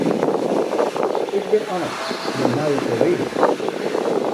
Ik bin Anneke, jim nije kollega.